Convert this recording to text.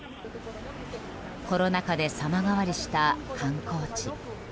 コロナ禍で様変わりした観光地。